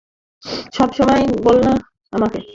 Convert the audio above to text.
সবসময় বলনা আমাকে?